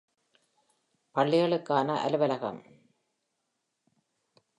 பள்ளிகளுக்கான அலுவலம்.